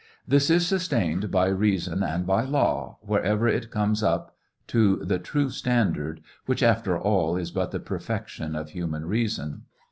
This is sustained by reason and by law, wherever it comes up to the true standard, which after all is but the perfection of human reason.